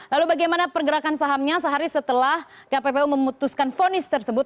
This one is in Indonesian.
lalu bagaimana pergerakan sahamnya sehari setelah kppu memutuskan fonis tersebut